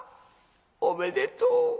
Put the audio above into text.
おめでとう。